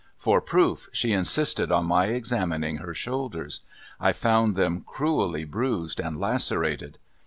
For proof she insisted on my examining her shoulders. I found them cruelly bruised and lacerated.